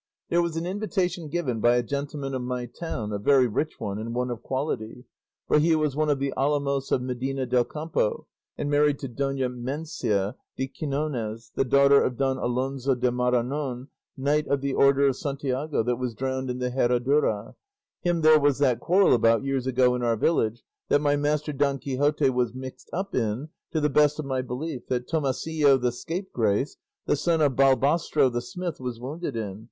There was an invitation given by a gentleman of my town, a very rich one, and one of quality, for he was one of the Alamos of Medina del Campo, and married to Dona Mencia de Quinones, the daughter of Don Alonso de Maranon, Knight of the Order of Santiago, that was drowned at the Herradura him there was that quarrel about years ago in our village, that my master Don Quixote was mixed up in, to the best of my belief, that Tomasillo the scapegrace, the son of Balbastro the smith, was wounded in.